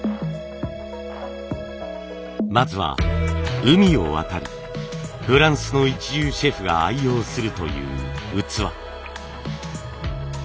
まずは海を渡りフランスの一流シェフが愛用するという器。